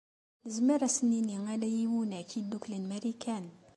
Nezmer ad sen-nini ala i Iwunak Yedduklen n Marikan?